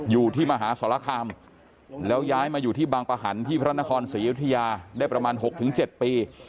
อยู่ที่มหาสรคามแล้วย้ายมาอยู่ที่บางประหันที่พระนครศรีอยุธยาได้ประมาณ๖๗ปี